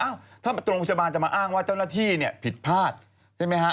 ถ้าโรงพยาบาลจะมาอ้างว่าเจ้าหน้าที่เนี่ยผิดพลาดใช่ไหมฮะ